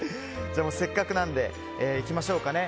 せっかくなのでいきましょうかね。